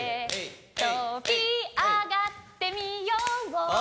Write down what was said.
飛び上がってみよう